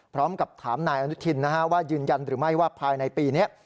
พร้อมกับถามนายอนุทินว่ายืนยันหรือไม่ว่าภายในปีนี้